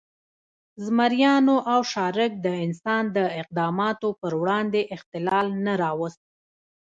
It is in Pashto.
زمریانو او شارک د انسان د اقداماتو پر وړاندې اختلال نه راوست.